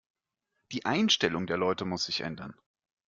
Die Einstellung der Leute muss sich ändern.